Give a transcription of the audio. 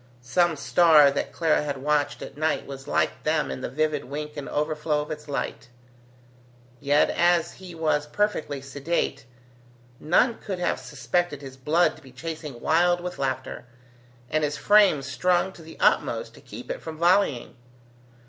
Some star that Clara had watched at night was like them in the vivid wink and overflow of its light. Yet, as he was perfectly sedate, none could have suspected his blood to be chasing wild with laughter, and his frame strung to the utmost to keep it from volleying.